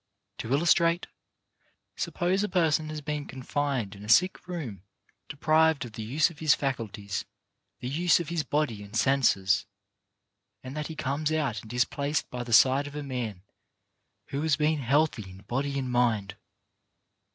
To illustrate. Suppose a person has been confined in a sick room, deprived of the use of his faculties, the use of his body and senses, and that he comes out and is placed by the side of a man who has been healthy in body and mind.